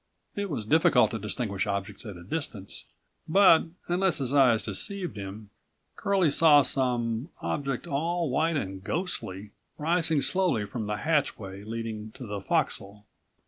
It was difficult to distinguish objects at a distance, but, unless his eyes deceived him, Curlie saw some object, all white and ghostly, rising slowly from the hatchway leading to the forecastle.